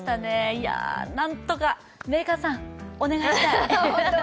いや、何とか、メーカーさんお願いしたい。